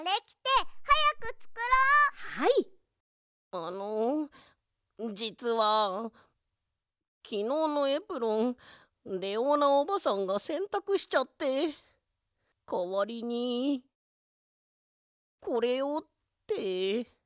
あのじつはきのうのエプロンレオーナおばさんがせんたくしちゃってかわりにこれをって。